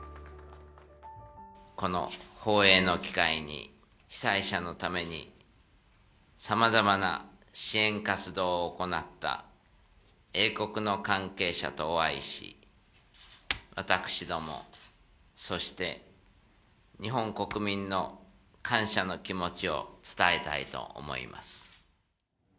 この訪英の機会に、被災者のためにさまざまな支援活動を行った英国の関係者とお会いし、私ども、そして日本国民の感謝の気持ちを伝えたいと思います。